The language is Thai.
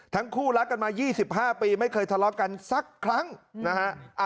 ทั้งคู่รักกันมา๒๕ปีไม่เคยทะเลาะกันสักครั้งนะฮะ